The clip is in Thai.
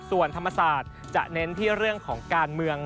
ส่วนธรรมศาสตร์จะเน้นที่เรื่องของการเมือง